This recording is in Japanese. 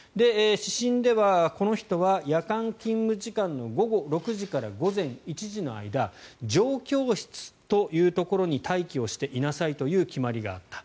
指針ではこの人は夜間勤務時間の午後６時から午前１時の間状況室というところに待機をしていなさいという決まりがあった。